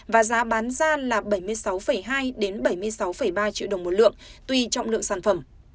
và giá bán ra là bảy mươi sáu hai bảy mươi sáu ba triệu đồng một lượng tùy trọng lượng sản phẩm